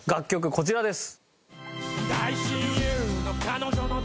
こちらです。